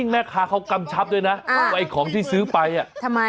เขาบอกว่าให้เร็วเข้าไป